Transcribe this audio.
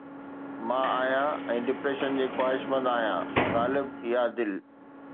مان آهيان ۽ ڊپريشن جي خواهشمند آهيان، غالب! اها دل